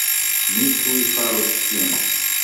Mi tuj faros tion